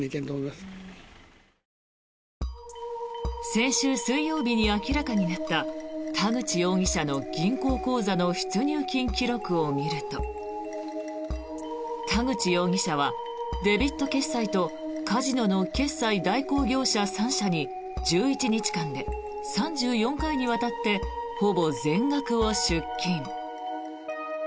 先週水曜日に明らかになった田口容疑者の銀行口座の出入金記録を見ると田口容疑者はデビット決済とカジノの決済代行業者３社に１１日間で３４回にわたってほぼ全額を出金。